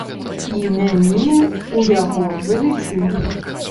І мяне ў яго залічылі.